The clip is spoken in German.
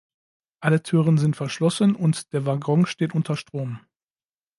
Alle Türen sind verschlossen und der Waggon steht unter Strom.